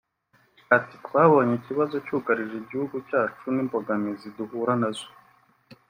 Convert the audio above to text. Ati “Twabonye ikibazo cyugarije igihugu cyacu n’imbogamizi duhura na zo